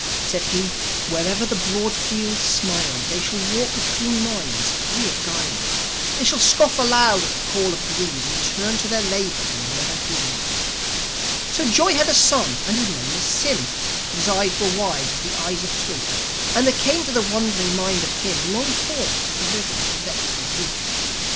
Said he: "Wherever the broad fields smile, They shall walk with clean minds, free of guile; They shall scoff aloud at the call of Greed, And turn to their labours and never heed." So Joi had a son, and his name was Sym; And his eyes were wide as the eyes of Truth; And there came to the wondering mind of him Long thoughts of the riddle that vexes youth.